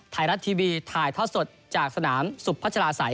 ไทยรัฐทีวีถ่ายทอดสดจากสนามสุพัชราศัย